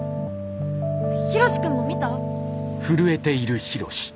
ヒロシ君も見た？